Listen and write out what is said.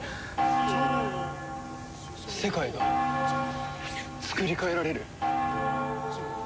世界がつくり変えられる。